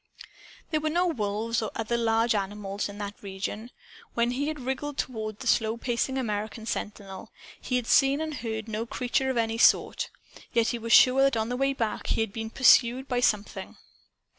There were no wolves or other large wild animals in that region. When he had wriggled toward the slow pacing American sentinel, he had seen and heard no creature of any sort. Yet he was sure that on the way back he had been pursued by by Something!